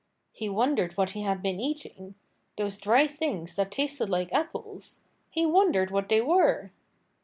He wondered what he had been eating. Those dry things that tasted like apples he wondered what they were.